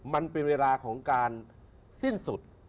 มันเป็นเวลาของการสิ้นสุด